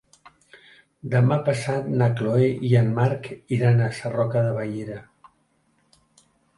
Demà passat na Chloé i en Marc iran a Sarroca de Bellera.